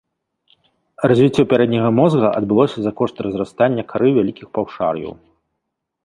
Развіццё пярэдняга мозга адбылося за кошт разрастання кары вялікіх паўшар'яў.